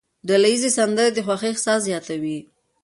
ډلهییزې سندرې د خوښۍ احساس زیاتوي.